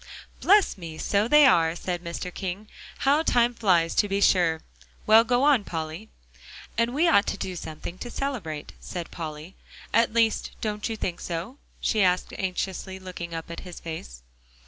"Bless me! so they are," said Mr. King. "How time flies, to be sure! Well, go on, Polly." "And we ought to do something to celebrate," said Polly, "at least don't you think so?" she asked anxiously, looking up in his face.